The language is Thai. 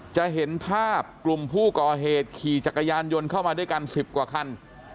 จะเห็นภาพกลุ่มผู้ก่อเหตุขี่จักรยานยนต์เข้ามาด้วยกัน๑๐กว่าคัน